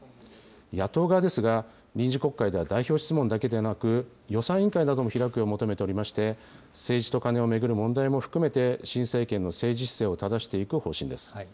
野党側ですが、臨時国会では代表質問だけではなく、予算委員会なども開くよう求めておりまして、政治とカネを巡る問題も含めて、新政権の政治姿勢をただしていく方針です。